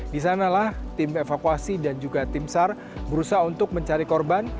di sanalah tim evakuasi dan juga tim sar berusaha untuk mencari korban